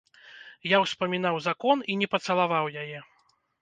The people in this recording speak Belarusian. Я ўспамінаў закон і не пацалаваў яе.